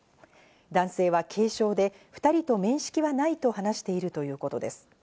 男性は軽傷で２人と面識はないと話しているということです。